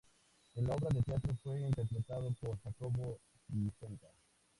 En la obra de teatro fue interpretado por Jacobo Dicenta.